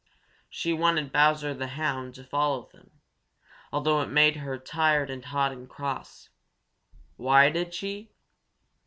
She wanted Bowser the Hound to follow them, although it made her tired and hot and cross. Why did she?